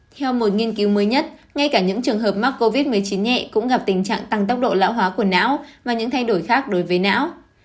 theo một nghiên cứu mới nhất ngay cả những trường hợp mắc covid một mươi chín nhẹ cũng gặp tình trạng tăng tốc độ lão hóa quần áo và những thay đổi khác đối với não